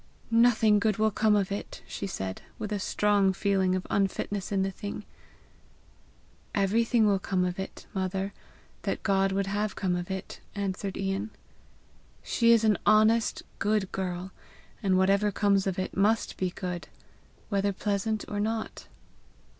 "Nothing good will come of it!" she said, with a strong feeling of unfitness in the thing. "Everything will come of it, mother, that God would have come of it," answered Ian. "She is an honest, good girl, and whatever comes of it must be good, whether pleasant or not."